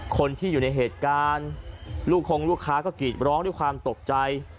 คนที่อยู่ในเหตุการณ์ลูกคงลูกค้าก็กรีดร้องด้วยความตกใจ